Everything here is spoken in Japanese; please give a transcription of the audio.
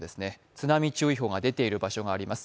津波注意報が出ている場所があります。